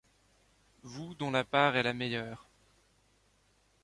Vous dont la part est la meilleure